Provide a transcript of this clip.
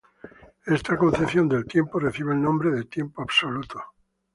Esta concepción del tiempo recibe el nombre de tiempo absoluto.